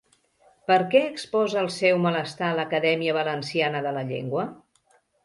Per què exposa el seu malestar l'Acadèmia Valenciana de la Llengua?